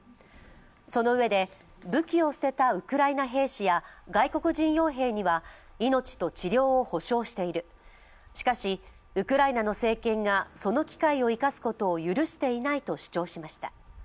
そのうえで武器を捨てたウクライナ兵士や外国人よう兵には命と治療を保証している、しかしウクライナの政権がその機会を生かすことを許していないと主張しました。